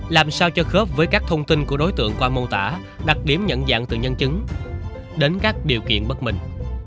làm sao cho khớp với các thông tin của đối tượng qua mô tả đặc điểm nhận dạng từ nhân chứng đến các điều kiện bất bình